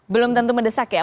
belum tentu mendesak ya